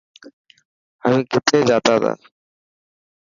اوهين ڪٿي جاتا تا.